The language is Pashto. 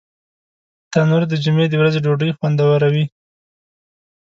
تنور د جمعې د ورځې ډوډۍ خوندوروي